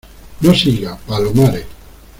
no siga, Palomares.